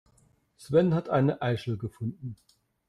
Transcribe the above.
Sven hat eine Eichel gefunden.